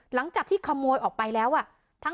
หลังจากที่ขโมยออกไปแล้ว